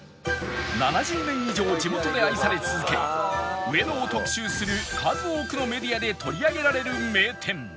７０年以上地元で愛され続け上野を特集する数多くのメディアで取り上げられる名店